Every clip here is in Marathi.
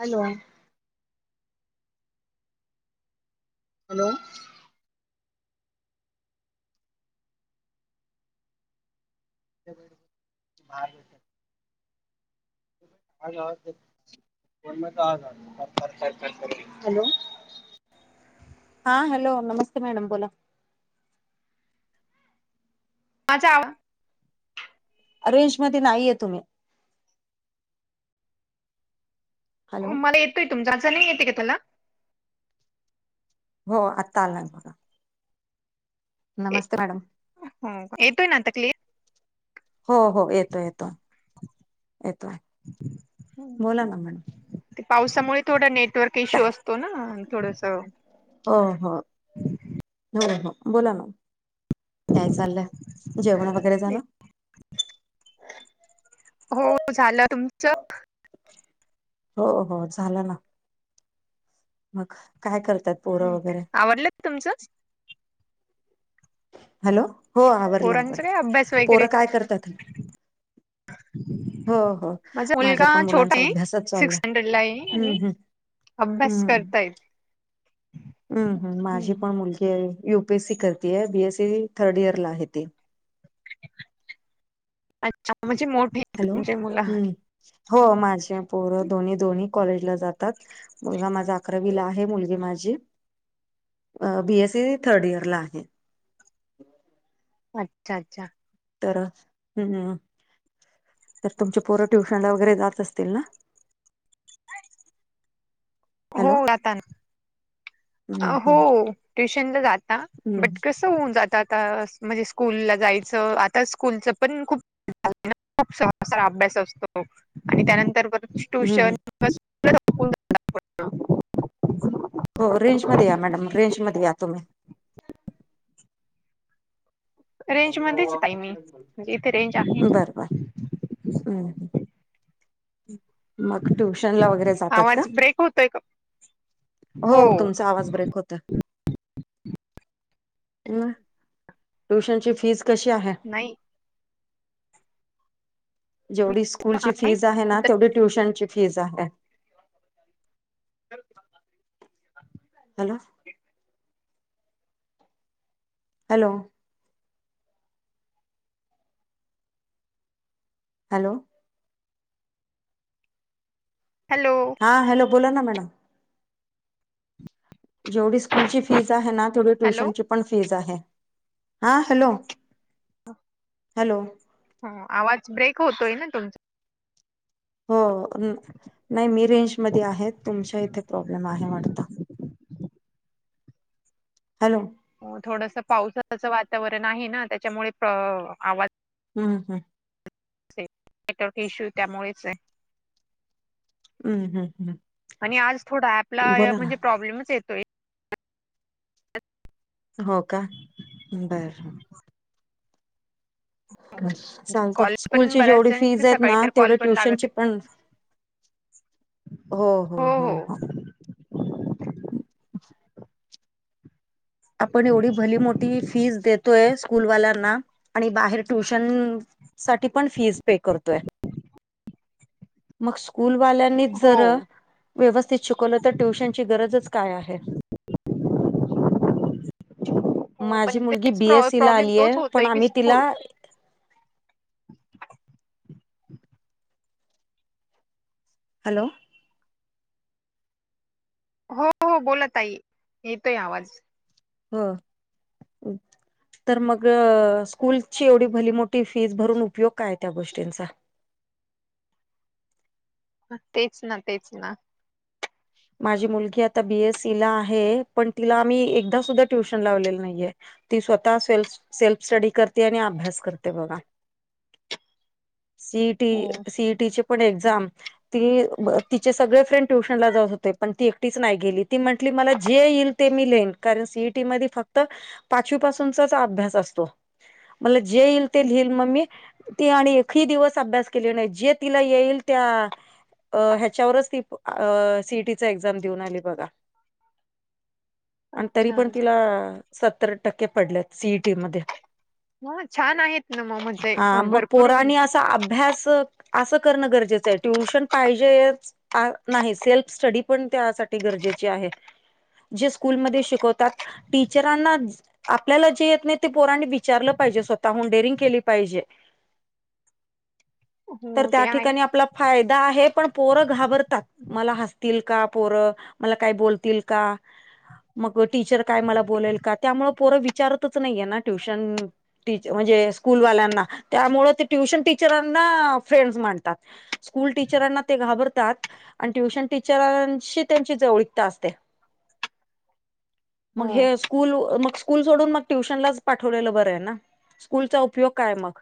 हॅलो! हॅलो! हा येतोय. [inaudible] हॅलो! हा हॅलो नमस्ते मॅडम बोला. अच्छा. रेंज मध्ये नाहीये तुम्ही. हॅलो मला येतोय तुमच्या अज नाही येते का त्याला. हो आत्ता आला बघा. नमस्ते मॅडम. ह येतोय ना आता क्लियर. हो हो, येतोय येतोय येतोय बोला ना मॅडम. ते पावसामुळे थोडा नेटवर्क इश्यू असतो ना थोडस. अ हो हो हो, बोला ना. काय चाललंय जेवण वगैरे झालं? हो झालं तुमचं. हो हो, झालं ना. मग काय करत्यात. आवडलं तुमचंच. हॅलो हो आवरला आवरलं पोरांचं काय अभ्यास पोरं वगैरेच? काय करतात. [inaudible] हो हो, माझा माझ्या मुलगा पण छोटा मुलांचा आहे अभ्यासच चालू सिक्स हाय स्टँडर्ड ला आहे हम आणि हम. अभ्यास करतायेत. हम ह माझी पण मुलगी आहे युपीएस सी करते आहे बीएससी थर्ड इयरला आहे ती. अच्छा म्हणजे मोठी. हॅलो! हम्म. हो माझे पोरं दोन्ही दोन्ही कॉलेजला जातात. मुलगा माझा अकरावीला आहे. मुलगी माझी बी ए सी थर्डइयर ला आहे. अच्छा, अच्छा. तर हम्म हम्म हम्म. तर तुमचे पोरं ट्युशन ला वगैरे जातं असतील ना? [inaudible] हो जाता. हम्म हो हम्म ट्युशनला जाता. हम्म बट कसं होऊनं जात. आता म्हणजे स्कूल ला जायचं आता स्कूलचं पण खूप [inaudible] खूप सहरा अभ्यास असतो. आणि त्यानंतर परत हम्म ट्युशन हम्म. [inaudible] हो रेंज मध्ये या मॅडम. रेंज मध्ये या तुम्ही. रेंज मध्येच ताई मी म्हणजे इथे रेंज आहे बर बर हम्म. मंग ट्युशन ला वगैरे जातात का? आवाज ब्रेक होतोय का हो तुमचा आवाज ब्रेक होतोय. मंग ट्युशन ची फीज कशी आहे? नाही. जेवढी स्कूल ची नाही. फीज आहे ना, तेवढी ट्युशनची फीज आहे. हॅलो. हॅलो. हॅलो. हॅलो. हां हॅलो! बोला ना मॅडम. जेवढी स्कूलची फिज आहे ना. तेवढी हॅलो ट्युशनची पण फीज आहे. हा हॅलो! हॅलो. हो. आवाज ब्रेक होतोयं ना तुमचा. हो नाही मी रेंजमध्ये आहे. तुमच्या इथे प्रॉब्लेम आहे वाटतं. हॅलो. थोडसं पावसाचं वातावरण आहे ना. त्याच्यामुळे प आवाज हम्म हम्म. नेटवर्क इश्यू त्यामुळेचे. हम्म हम्म हम्म. आणि आज थोडा अँप ला बोला ना म्हणजे प्रॉब्लेमचं येतोयं. हो, का? बर. [inaudible] चालतयं. कॉल पण स्कूलची जेवढी बऱ्याच फीज आहेत सकाळी ना. तर कॉल तेवढे पण लागत ट्युशनची पण हो, हो, हो, हो. आपण एवढी भली मोठी फीज देतोयं स्कूलवाल्यांना. आणि बाहेर ट्युशनं साठी पण फी पे करतोयं. मग स्कुलवाल्या नीच जर हो व्यवस्थित शिकवलं. तर ट्युशनची गरजच काय आहे. [inaudible] हो माझी पण मुलगी तेच बीएससी ला प्रॉब्लेम आलीय तोच पण होतय कि आम्ही तिला स्कुल हॅलो. हो हो बोला ताई. येतोयं आवाज. हो. तर मग स्कूलची एवढी भली मोठी फीज भरून उपयोग काय आहे त्या गोष्टींचा. तेचं ना तेच ना माझी मुलगी आता बी. एस. सी. ला आहे. पण तिला आम्ही एकदा सुद्धा ट्युशन लावलेली नाहीये. ती स्वतः सेल्फ सेल्फ स्टडी करते आणि अभ्यास करते बघा. सी ई टी हो सी ई टी ची पण एक्झाम ती तिचे सगळे फ्रेंड ट्युशनला जात होते. पण ती एकटीच नाही गेली ती म्हटली मला जे येईल ते मी लिहीन कारण सी ई टी मध्ये फक्त पाचवीपासूनचाच अभ्यास असतो मला जे येईल ते लिहिल मग मी ती आणि एकही दिवस अभ्यास केली नाही जे तिला येईल त्या अ ह्याच्यावरच ती सी ई टी एक्झाम देऊन आली बघा आणि तरी अच्छा पण तिला सत्तर टक्के पडलेत सी ई टी मध्ये. ह छान आहेत ना मग म्हणजे हा मग भरपूर पोरांनी असा अभ्यास अस करण गरजेच आहे. ट्युशन पाहिजे नाही सेल्फ स्टडी पण त्यासाठी गरजेचे आहे. जे स्कूलमध्ये शिकवतात. टीचरांना आपल्याला जे येत नाही. ते पोरांनी विचारल पाहिजे स्वतःहून डेरिंग केली पाहिजे. तर हो त्या ते ठिकाणी आहेच आपला. फायदा आहे पण पोर घाबरतात मला हसतील. का पोर मला काय बोलतील का मग टिचर काय मला बोलेल का त्यामुळे. पोर विचारतच नाहीये ना ट्युशन टीच म्हणजे स्कूलवाल्यांना त्यामुळे ते ट्युशन टीचरांना फ्रेंड्स माणतात. स्कूल टीचरांना ते घाबरतात आणि ट्युशन टीच टिचरांशी त्यांची जवळीकता असते. मग हे हो स्कूल मग स्कूल सोडून मग ट्युशनलाच पाठवलेल बर आहे ना स्कूलचा उपयोग काय मग?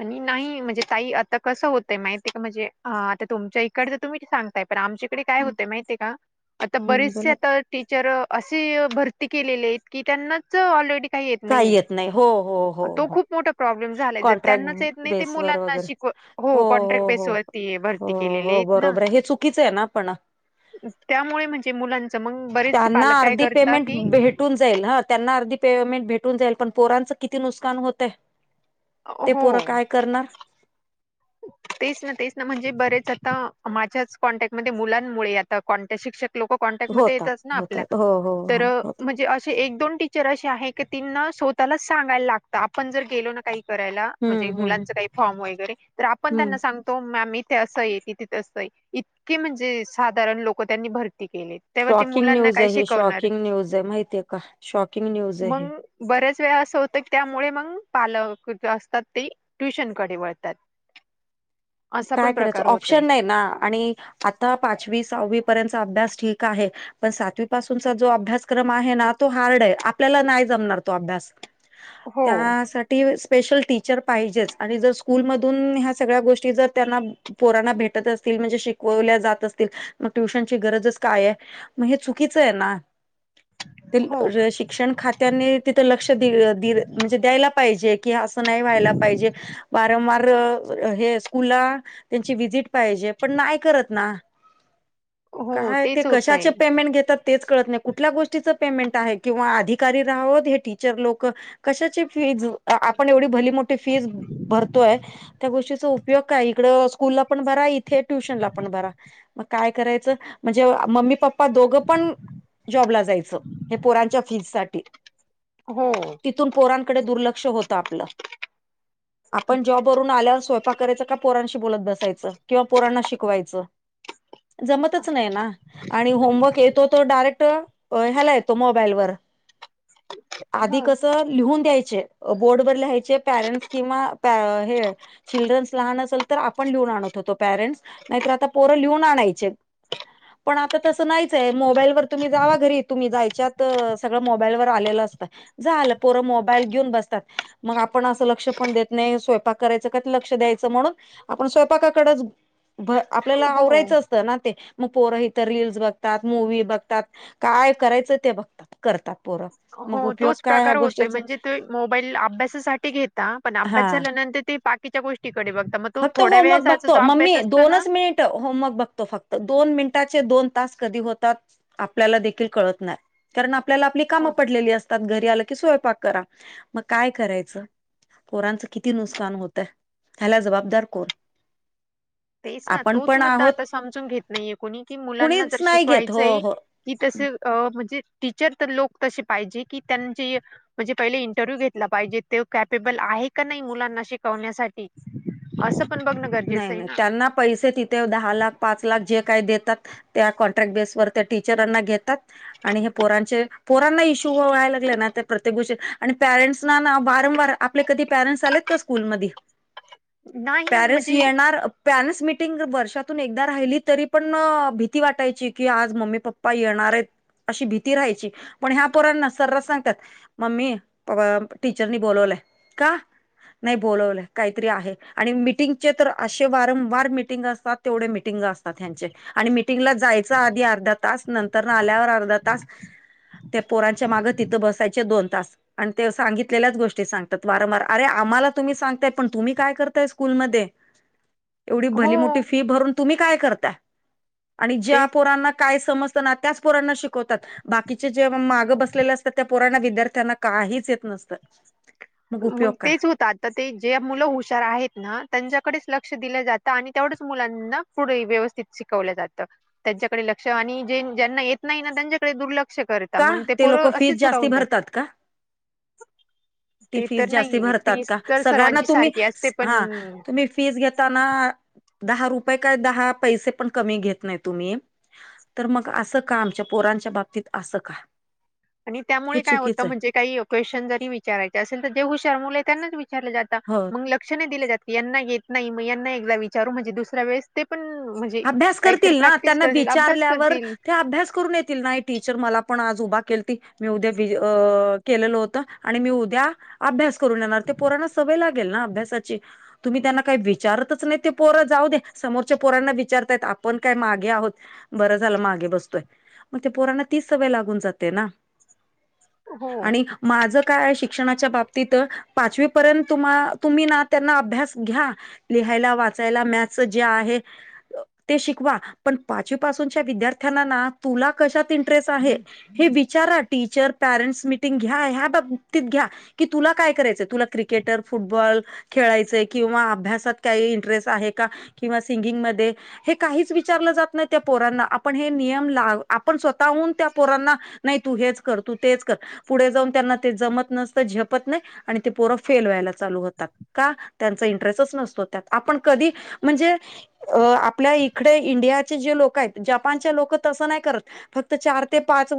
आणि नाही म्हणजे ताई आता कस होतय माहिती आहे का म्हणजे आता तुमच्या इकडच तुम्ही सांग नाही पण आमच्याकडे काय होतय माहितीय का आता हम्म बरेचसे बोला आता टीचर असे भरती केलेले आहेत. की, त्यांनाच ऑलरेडी करता येत काही नाहीये. नाही हो हो हो तो हो खूप मोठा प्रॉब्लेम झाला कॉन्ट्रॅक्ट त्यांनाच येत नाही. ते बेसवर मुलांना वगैरे शिक हो कॉन्ट्रॅक्ट बेसवरती भरती केलेली आहेत ना. चुकीच आहे ना पण त्यामुळे म्हणजे मुलांच मग बरेच त्यांना पालक काय अर्धी करता पेमेंट की भेट भेटून जाईल ह त्यांना अर्धी पेमेंट भेटून जाईल पण पोरांच किती नुकसान होतय. ते पोर हो काय करणार? तेच ना तेच ना म्हणजे बरेच आता माझ्याच कॉन्टॅक्टमध्ये मुलांमुळे आता कॉन्टॅक्ट लोक कॉन्टॅक्ट मध्ये होतात येतात ना आपल्या होतात हो हो तर होत म्हणजे अशे एक दोन टि टीचर असे आहे. तिना स्वतःलाच सांगायला लागत. आपण जर गेलो ना काही करायला म्हणजे हम्म हम्म मुलांच काही फॉर्म वगैरे तर आपण हम्म त्यांना सांग -तो मॅम ते असं ये तिथ असं इतके म्हणजे साधारण लोक त्यांनी भरती केलेत. शॉकिंग न्यूज आहे. ही शॉकिंग न्यूज आहे. माहितीये का शॉकिंग न्यूज आहे. मग बऱ्याच वेळा अस होत की, त्यामुळे मग पालक जे असतात ते ट्युशनकडे वळतात. असा काय पण करायच प्रकार होतोय ऑप्शन नाही ना आणि आता पाचवी सहावी पर्यंतचा अभ्यास ठीक आहे. पण सातवी पासूनचा जो अभ्यासक्रम आहे ना तो हार्ड आहे आपल्याला नाही जमणार तो अभ्यास. हो त्यासाठी स्पेशल टीचर पाहिजेच आणि जर स्कूलमधून ह्या सगळ्या गोष्टी जर त्यांना पोराना भेटत असतील म्हणजे शिकवल्या जात असतील. मग ट्युशनची गरजच काय मग हे चुकीच आहे ना. हो [unintelligible] शिक्षण खात्याने तिथं लक्ष दि दि म्हणजे द्यायला पाहिजे कि असं नाही व्हायला पाहिजे. वारंवार हे. स्कूलला त्यांची व्हिसिट पाहिजे पण नाही करत ना. हो काय ते तेच कशाचे होतंय. पेमेंट घेतात. तेच कळत नाही कुठल्या गोष्टीचं पेमेंट आहे किंवा अधिकारी राहावत हे टीचर लोक. कशाची फीज आपण एवढी भली मोठी फीज भरतोय त्या गोष्टी उपयोग. उपयोग काय इकड स्कूलला पण भरा इथे ट्युशन ला पण भरा. मग काय करायचं म्हणजे मम्मी पप्पा दोघं पण जॉब ला जायचं हे पोरांच्या फीज साठी. हो, तिथून पोरांकडे दुर्लक्ष होत आपलं आपण जॉबवरून आल्यावर स्व ''--'' करायच का पोरांशी बोलत बसायच किंवा पोरांना शिकवायचं जमतच नाही ना. आणि होमवर्क येतो तो डायरेक्ट ह्याला येतो मोबाईलवर. हो, आधी कस. तर लिहून द्यायचे अ बोर्डवर लिहायचे पेरेंट्स किंवा प्या हे चिल्ड्रन्स. लहान असेल तर आपण लिहून आणत होतो पॅरेंट्स नाहीतर आता पोरं लिहून आणायचे. पण आता तसं नाहीच आहे मोबाईलवर तुम्ही जावा घरी तुम्ही जायच्यात सगळं मोबाईलवर आलेलं असतं. झालं पोरं मोबाईल घेऊन बसतात. मग आपण असं लक्ष पण देत नाही स्वयंपाक करायचं का लक्ष द्यायचं. म्हणून आपण स्वयंपाकाकडेच म आपल्याला हो, आवरायचं असतं ना ते. मग पोरं इथं रीलस बघतात मूव्ही बघतात काय करायचं ते बघतात करतात पोरं. मग हो उपयोग तोच काय ह्या प्रकार होतोय गोष्टीचा म्हणजे ते मोबाईल अभ्यासासाठी घेता पण अभ्यास हा झाल्यानंतर ते पाठ. ते त्या गोष्टीकडे बघता मग. तो फक्त थोड्या होमवर्क वेळाचा जो बघतो मम्मी अभ्यास असतो ना दोनच मिनिट. ट होमवर्क बघतो फक्त दोन मिनिटाचे दोन तास कधी होतात. आपल्याला देखील कळत नाही कारण आपल्याला आपली हो कामं पडलेली असात. त्या घरी आलं की स्वयंपाक करा मग काय करायचं. कोरांचं किती नुकसान होतं ह्याला जबाबदार कोण. तेच ना आपण तोच पण मुद्दा आहोत आता समजून घेत नाहीये कोणी कि मुलांना कुणीच जर नाही घेत हो शिकवायचंय. हो कि तस अ म्हणजे टीचर तर लोक तसे पाहिजे की त्यांचे. म्हणजे पहिले इंटरव्ह्यू घेतला पाहिजे ते कॅपेबल आहे का नाही मुलांना शिकवण्यासाठी. असं पण बघणं नाही गरजेच आहे नाही ना. त्यांना पैसे तिथे दहा लाख पाच लाख जे काय देतात. त्या कॉन्ट्रॅक्ट बेसवर त्या टीचरांना घेतात. आणि हे पोरांचे पोरांना इश्यू व्हाय लागले ना ते प्रत्येक गोष्टी आणि पॅरंट्सना वारंवार आप ''--'' आपले कधी पॅरेंट्स आलेत का स्कूलमध्ये. नाही म्हणजे. नार पेरेंट्स मिटिंग वर्षातून एक राहिली तरी पण भीती वाटायची की आज मम्मी पप्पा. पा येणार आहेत अशी भीती राहायची पण ह्या पोरांना सर्रास सांगतात. मम्मी प व टीचर नि बोलोला का. नाही बोलवलं काहीतरी आहे आणि मिटिंग. चे तर असे वारंवार मिटिंग असतात तेवढे मिटिंग असतात यांच्या. आणि मिटिंगला जायच आधी अर्धा तास नंतर आल्यावर अर्धा तास. त्या पोरांच्या मागे तिथं बसायचे दोन तास. आणि ते सांगितलेल्याच गोष्टी सांगतात वारंवार अे आम्हाला तुम्ही सांगताय पण तुम्ही काय करताय स्कूलमध्ये? एवढी हो भली मोठी फी भरून तुम्ही काय करताय? आणि ज्या तेच पोरांना काय समजतं ना, त्याच पोरांना शिकवतात बाकीचे जे मागं बसलेले असतात त्या पोरांना, विद्यार्थ्यांना काहीच येत नसतं मग उपयोग काय तेच होतात तर ते जे मुलं हुशार आहेत ना त्यांच्याकडेच लक्ष दिलं जातं आणि तेवढ्याच मुलांना पुढे व्यवस्थित शिकवलं जातं त्यांच्याकडे लक्ष आणि जे ज्यांना येत नाही ना त्यांच्याकडे दुर्लक्ष करत ता का मग ते लोक पोरं फीज असेच जास्ती राहून जाता भरतात का ती ते फीज तर जास्ती नाहीये भरतात फीस का? तर सगळ्यांना सर्वांची तुम्ही सारखी असते पण हा तुम्ही फीस घेताना दहा रुपये काय दहा पैसे पण कमी घेत नाही तुम्ही? तर मग असं का? आमच्या पोरांच्या बाबतीत असं का? आणि हे त्यामुळे काय होतं चुकीचं म्हणजे काही क्वेशन जरी विचारायचे असेल तर जे हुशार मुले त्यांनाच विचारले जात आहे हो मग लक्ष नाय दिले जात येत नाही एकदा विचारू म्हणजे दुसऱ्या वेळेस ते पण अभ्यास काहीतरी करतील ना प्रॅक्टिस त्यांना करतील अभ्यास विचारल्यावर करतील ते अभ्यास करून येतील ना? टीचर मला पण आज उभा केलती मी उद्या केलेलं होत आणि मी उद्या अभ्यास करून येणार ते पोरांना सवय लाग [unintelligible] अभ्यासाची तुम्ही त्यांना काही विचारतच नाही ते पोरं जाऊ दे समोरच्या पोरांना विचारताय आपण काय मागे आहोत बरं झालं मागे बसतोय मग ते पोरांना तीच सवय लागून जाते ना हो आणि माझं काय शिक्षणाच्या बाबतीत पाचवी पर्यंत तुम्हा तुम्ही ना त्यांना अभ्यास घ्या लिहायला वाचायला मॅथच जे आहे ते शिकवा पण पाचवीपासूनच्या विद्यार्थ्यांनाना तुला कशात इंटरेस्ट आहे? हे विचारा टीचर पॅरेंट्स मिटिंग घ्या ह्या बाबतीत घ्या की तुला काय करायचंय? तुला क्रिकेटर, फुटबॉल खेळायचय किंवा अभ्यासात काही इंटरेस्ट आहे का किंवा सिंगिंगमध्ये? हे काहीच विचारलं जात नाही त्या पोरांना आपण हे नियम ला आपण स्वतःहून त्या पोरांना नाही तू हेच कर, तू तेच कर पुढे जाऊन त्यांना ते जमत नसतं झेपत नाही आणि ते पोरं फेल व्हायला चालू होतात का त्यांचा इंटरेस्ट नसतो. त्यात आपण कधी म्हणजे अ आपल्या इकडे इंडियाचे जे लोकयत, जपानचे लोक तसं नाय करत फक्त चार ते पाच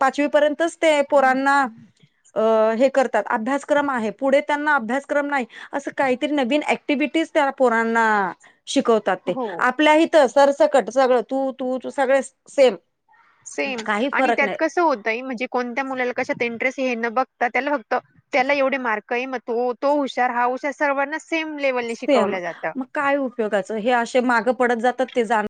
पाचवी पर्यंतच ते पोरांना अ हे करतात अभ्यासक्रम आहे पुढे त्यांना अभ्यासक्रम नाही असं काहीतरी नवीन ऍक्टिव्हटीज त्याला पोरांना शिकवत तात ते हो आपल्या इथं सरसकट सगळं तू तूू सगळेच सेम आणि त्यात नाही कस होतय म्हणजे कोणत्या मुलाला कशात इंटरेस्ट हे न बघता, त्याला फक्त त्याला एवढे मार्कय मग तो तो हुशार हा हुशार सर्वांना सेम लेव्हलने सेम शिकवलं जातं. मग काय उपयोगाच हे, अशे माग पडत जातात ते